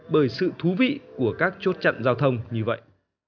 bởi sự thú vị của các chốt chặn giao thông như vậy